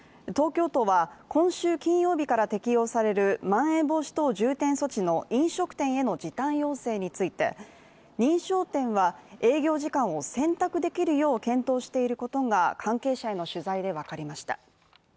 東京都は、今週金曜日から適用されるまん延防止等重点措置の飲食店への時短要請について、認証店は営業時間を選択できるよう検討していることが関係者への取材でわかりました。